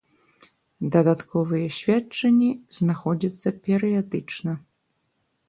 Дадатковыя сведчанні знаходзяцца перыядычна.